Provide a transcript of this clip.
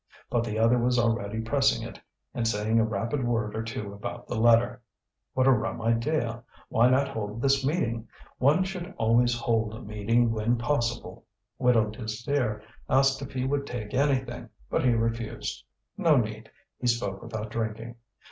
But the other was already pressing it, and saying a rapid word or two about the letter. What a rum idea! Why not hold this meeting? One should always hold a meeting when possible. Widow Désir asked if he would take anything, but he refused. No need; he spoke without drinking.